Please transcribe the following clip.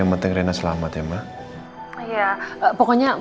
apa kondisi rina lagi di tang options gitu